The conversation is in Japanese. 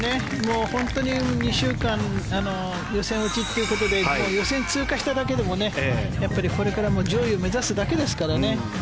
本当に２週間予選落ちということで予選通過しただけでもやっぱりこれから上位を目指すだけですからね。